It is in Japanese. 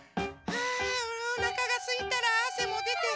あおなかがすいたらあせもでて。